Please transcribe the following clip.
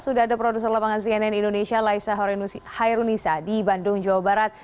sudah ada produser lapangan cnn indonesia laisa hairunisa di bandung jawa barat